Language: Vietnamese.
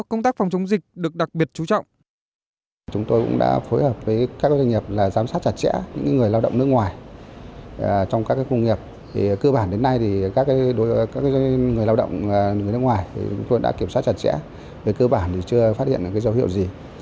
công tác phòng chống dịch được đặc biệt chú trọng